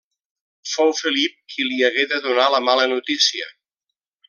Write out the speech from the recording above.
Fou Felip qui li hagué de donar la mala notícia.